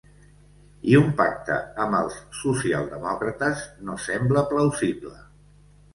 I un pacte amb els socialdemòcrates no sembla plausible.